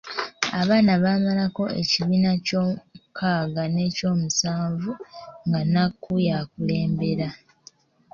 Abaana baamalako ekibiina eky’omukaaga n’ekyo'musanvu nga Nnakku y'akulembera.